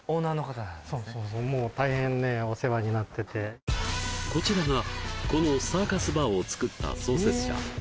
そうそうそうこちらがこのサーカスバーを作った創設者